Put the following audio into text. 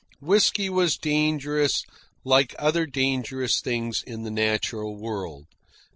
Whisky was dangerous like other dangerous things in the natural world.